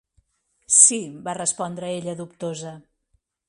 "Sí", va respondre ella dubtosa.